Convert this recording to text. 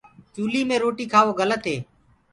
چوُلِي مي روٽي کآوو گَلت هي۔